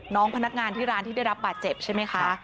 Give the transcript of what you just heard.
พนักงานที่ร้านที่ได้รับบาดเจ็บใช่ไหมคะ